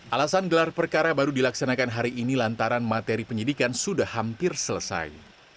alasan gelar perkara baru dilaksanakan hari ini lantaran materi penyidikan sudah hampir selesai